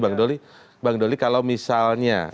bang doli kalau misalnya